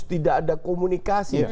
tidak ada komunikasi